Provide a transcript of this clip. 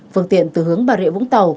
phương tiện từ hướng bà rịa vũng tàu